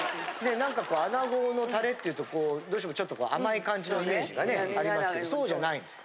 何かこう穴子のタレっていうとどうしてもちょっとこう甘い感じのイメージがねありますけどそうじゃないんですか？